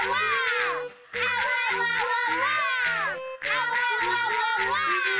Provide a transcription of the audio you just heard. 「あわわわわ」